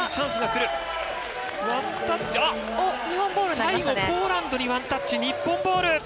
最後、ポーランドにワンタッチ日本ボール！